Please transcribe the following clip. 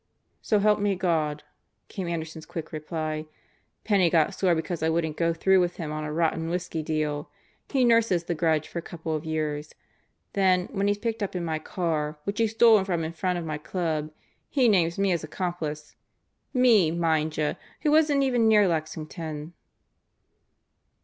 "So help me God," came Anderson's quick reply. "Penney got sore^ because I wouldn't go through with him on a rotten whisky deal. He nurses the grudge for a couple of years. Then, when he's picked up in my car, which he stole from in front of my Club, he names me as accomplice. Me, mind ya, who wasn't even near Lexington!"